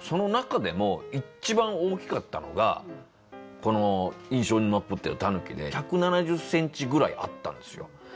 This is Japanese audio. その中でも一番大きかったのがこの印象に残ってるタヌキで１７０センチぐらいあったんですよ。